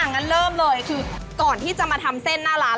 งั้นเริ่มเลยคือก่อนที่จะมาทำเส้นหน้าร้าน